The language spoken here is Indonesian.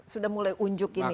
sudah mulai unjuk ini